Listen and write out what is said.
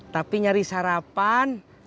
tapi nyari sarapan